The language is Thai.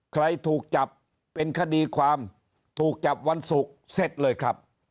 ใครถูกจับเป็นคดีความถูกจับวันศุกร์เสร็จเลยครับ